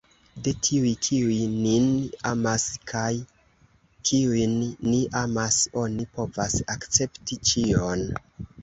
De tiuj, kiuj nin amas kaj kiujn ni amas, oni povas akcepti ĉion.